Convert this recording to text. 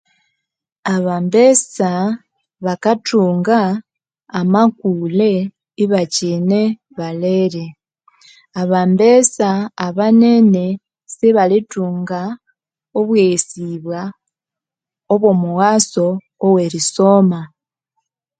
Abambesa bakathunga ama kule ibakyine balere, abambesa abanene sibalithunga obweghesibwa obwo mughaso oweri soma